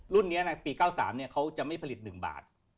รุ่นนี้พี่๙๓จะไม่ผลิต๑บาท